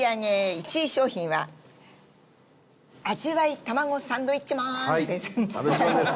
１位商品は味わいたまごサンドウィッチマンです。